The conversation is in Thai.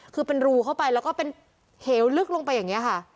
คือเป็นรูเข้าไปแล้วก็เป็นเหวลึกลงไปอย่างนี้ค่ะ